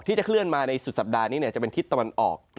ที่จะเคลื่อนมาในสุดสัปดาห์นี้จะเป็นทิศตะวันออก